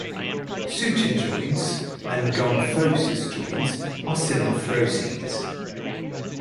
Suture joints and Gomphosis joints are synarthroses.